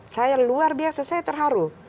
saya luar biasa saya terharu